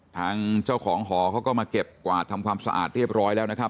ทางเจ้าของหอเขาก็มาเก็บกวาดทำความสะอาดเรียบร้อยแล้วนะครับ